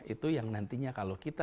itu yang nantinya kalau kita